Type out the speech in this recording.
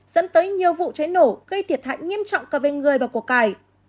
dẫn tới nhiều vụ cháy nổ gây thiệt hại nghiêm trọng cả bên người và cuộc cải